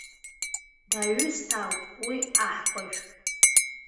Даҩысҭаауп уи аҳкәажә…